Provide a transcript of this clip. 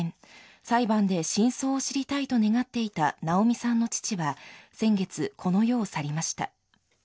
裁判で真相を知りたいと願っていた奈央美さんの父は、先月、この世を去りました。